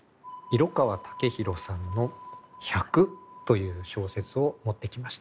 色川武大さんの「百」という小説を持ってきました。